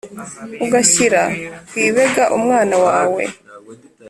ugashyira ku ibega umwana wawe.